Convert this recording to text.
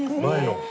前の。